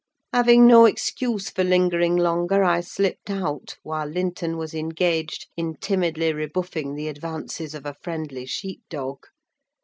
Having no excuse for lingering longer, I slipped out, while Linton was engaged in timidly rebuffing the advances of a friendly sheep dog.